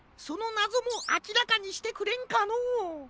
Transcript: そのなぞもあきらかにしてくれんかのう。